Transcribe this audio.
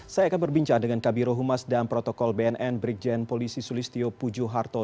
saya akan berbincang dengan kabiro humas dan protokol bnn brigjen polisi sulistio pujuharto